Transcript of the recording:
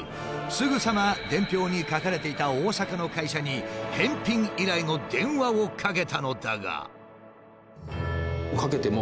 すぐさま伝票に書かれていた大阪の会社に返品依頼の電話をかけたのだが。